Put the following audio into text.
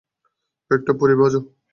কয়েকটা পুরি ভাজো।